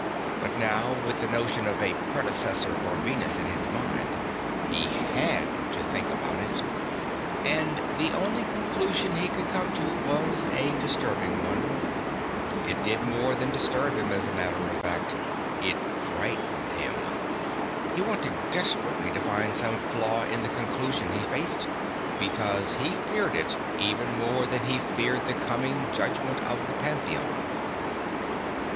But now, with the notion of a "predecessor" for Venus in his mind, he had to think about it, and the only conclusion he could come to was a disturbing one. It did more than disturb him, as a matter of fact it frightened him. He wanted desperately to find some flaw in the conclusion he faced, because he feared it even more than he feared the coming judgment of the Pantheon.